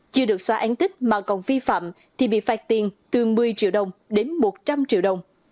chưa được xóa án tích mà còn vi phạm thì bị phạt tiền từ một mươi triệu đồng đến một trăm linh triệu đồng